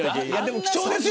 貴重ですよ。